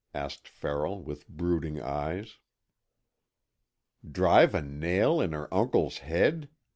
asked Farrell, with brooding eyes. "Drive a nail in her uncle's head!"